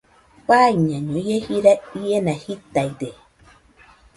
Faiñaño, ie jira iena jitaide